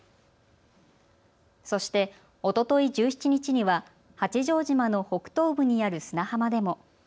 そしておととい１７日には八丈島の北東部にある砂浜でも。